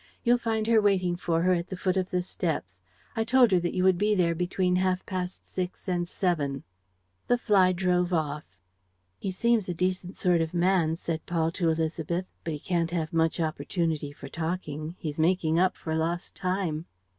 You'll find her waiting for her at the foot of the steps. I told her that you would be there between half past six and seven. ..." The fly drove off. "He seems a decent sort of man," said Paul to Élisabeth, "but he can't have much opportunity for talking. He's making up for lost time."